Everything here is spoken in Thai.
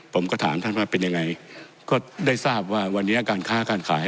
ผมก็ถามท่านว่าเป็นยังไงก็ได้ทราบว่าวันนี้การค้าการขาย